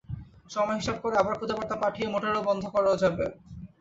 সময় হিসাব করে আবার খুদে বার্তা পাঠিয়ে মোটর বন্ধও করা যাবে।